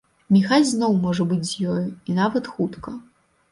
Міхась зноў можа быць з ёю, і нават хутка.